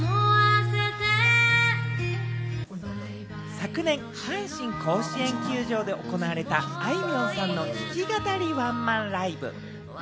昨年、阪神甲子園球場で行われた、あいみょんさんの弾き語りワンマンライブ。